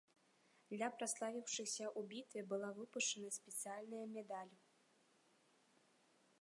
Для праславіўшыхся ў бітве была выпушчаная спецыяльная медаль.